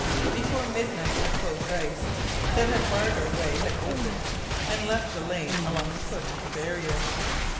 Before midnight the close ice that had barred our way had opened and left a lane along the foot of the barrier.